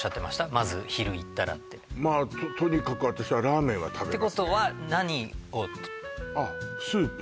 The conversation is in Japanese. まず昼行ったらってとにかく私はラーメンは食べますねてことは何をスープ？